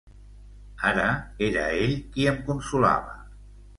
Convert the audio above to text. Ara era ell qui em consolava.